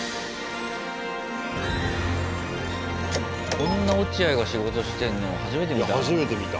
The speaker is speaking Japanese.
こんな落合が仕事してんの初めて見た。